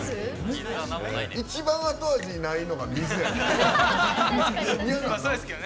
一番後味ないのが水やで。